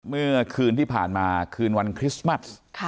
เมื่อคืนที่ผ่านมาคืนวันคริสต์มัส